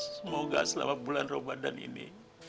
semoga selama bulan ramadan ini